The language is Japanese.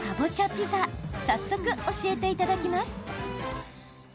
ピザ早速、教えていただきます。